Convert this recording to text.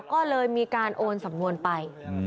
ก็เลยมีการโอนสำนวนไป